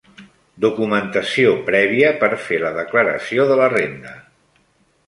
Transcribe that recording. Documentació prèvia per fer la declaració de la renda.